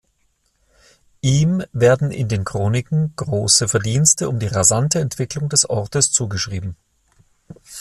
Ihm werden in den Chroniken große Verdienste um die rasante Entwicklung des Ortes zugeschrieben.